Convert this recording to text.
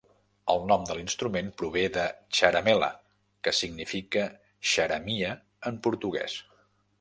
El nom de l'instrument prové de "charamela", que significa xeremia en portuguès.